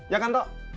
ya kan toh